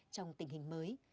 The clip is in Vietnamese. trong tình hình mới